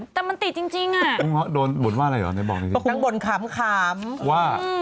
แต่มันติดจริงจริงอ่ะคูง้อโดนบนว่าอะไรอ่ะบนว่า